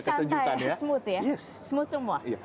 kesenjukan ya smooth ya smooth semua